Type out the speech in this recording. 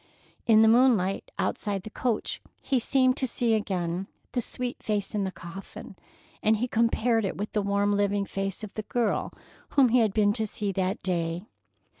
In the moonlight outside the coach he seemed to see again the sweet face in the coffin, and he compared it with the warm living face of the girl whom he had been to see that day.